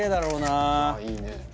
あいいね